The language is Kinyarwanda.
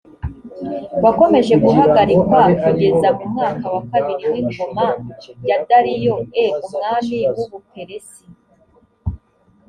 wakomeje guhagarikwa kugeza mu mwaka wa kabiri w ingoma ya dariyo e umwami w u buperesi